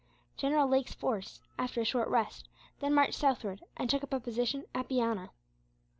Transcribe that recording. General Lake's force, after a short rest, then marched southward, and took up a position at Biana.